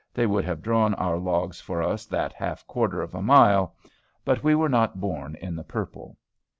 They would have drawn our logs for us that half quarter of a mile. But we were not born in the purple!)